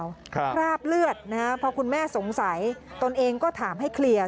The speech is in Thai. คราบเลือดนะฮะพอคุณแม่สงสัยตนเองก็ถามให้เคลียร์